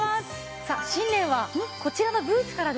さあ新年はこちらのブーツからですね。